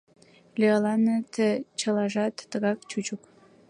Леоланат чылажат тыгак чучык.